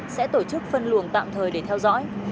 sẽ tổ chức phân luồng tạm thời để theo dõi